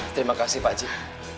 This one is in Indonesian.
terima kasih pakcik